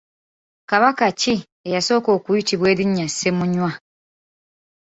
Kabaka ki eyasooka okuyitibwa erinnya Ssemunywa?